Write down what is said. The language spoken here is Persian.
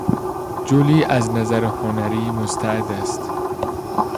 جولی از نظر هنری مستعد است.